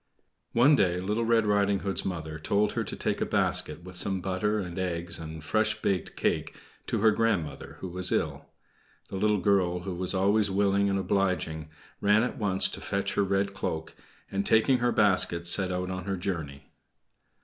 One day, Little Red Riding Hood's mother told her to take a basket with some butter and eggs and fresh baked cake to her grandmother, who was ill. The little girl, who was always willing and obliging, ran at once to fetch her red cloak, and, taking her basket, set out on her journey.